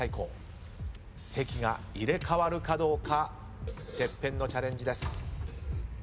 席が入れ替わるかどうかＴＥＰＰＥＮのチャレンジです。